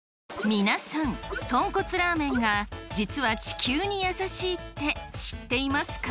皆さんとんこつラーメンが実は地球に優しいって知っていますか？